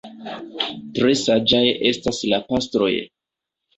Tre saĝaj estas la pastroj!